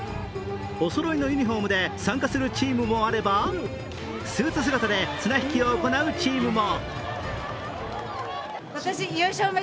おそろいのユニフォームで参加するチームもあればスーツ姿で綱引きを行うチームも。